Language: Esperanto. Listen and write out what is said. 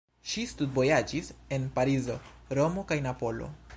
Ŝi studvojaĝis en Parizo, Romo kaj Napolo.